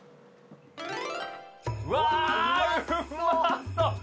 うわうまそう！